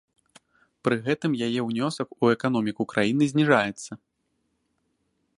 Пры гэтым яе ўнёсак у эканоміку краіны зніжаецца.